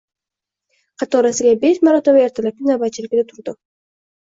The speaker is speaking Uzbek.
Qatorasiga besh marotaba ertalabki navbatchilikda turdim